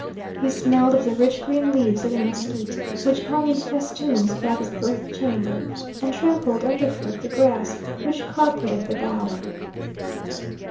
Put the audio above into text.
He smelled of the rich green leaves of the mesquite, which hung in festoons about his birth chamber, and trampled underfoot the grass which carpeted the bower.